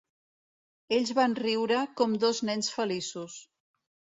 Ells van riure com dos nens feliços.